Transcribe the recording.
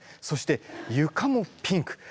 そしてゆかもピンク。